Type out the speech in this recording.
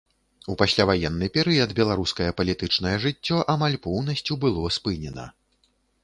У пасляваенны перыяд беларускае палітычнае жыццё амаль поўнасцю было спынена.